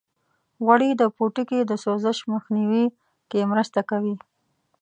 غوړې د پوټکي د سوزش مخنیوي کې مرسته کوي.